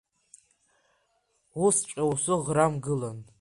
Усҵәҟьа усыӷрамгылан.